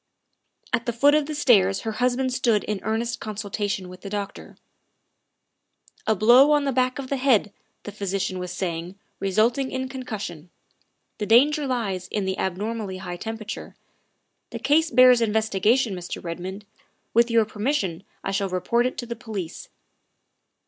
At the foot of the stairs her husband stood in earnest consultation with the doctor. "A blow on the back of the head," the physician was saying, " resulting in concussion. The danger lies in the abnormally high temperature. The case bears inves tigation, Mr. Redmond. With your permission I shall report it to the police."